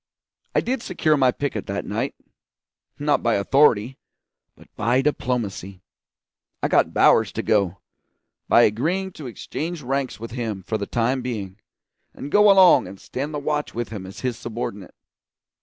I did secure my picket that night not by authority, but by diplomacy. I got Bowers to go, by agreeing to exchange ranks with him for the time being, and go along and stand the watch with him as his subordinate.